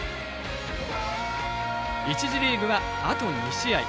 １次リーグは、あと２試合。